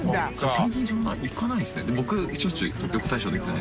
最近そんな行かないんですね。